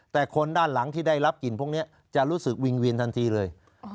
แต่คนด้านหลังที่ได้รับกลิ่นพวกนี้จะรู้สึกวิงเวียนทันทีเลย